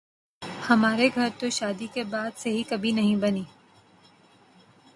ہمارے گھر تو شادی کے بعد سے ہی کبھی نہیں بنی